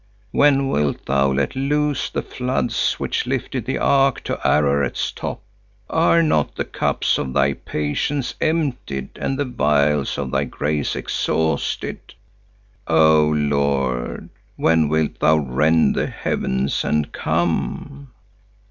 When wilt Thou let loose the floods which lifted the ark to Ararat's top? Are not the cups of Thy patience emptied and the vials of Thy grace exhausted? Oh Lord, when wilt Thou rend the heavens and come?"